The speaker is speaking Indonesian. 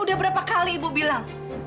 udah berapa kali ibu bilang